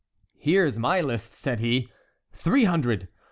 "Here's my list," said he; "three hundred.